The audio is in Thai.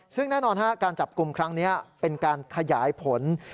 ซึ่งแน่นอนการจับกลุ่มครั้งนี้เป็นการขยายผล